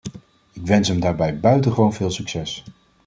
Ik wens hem daarbij buitengewoon veel succes.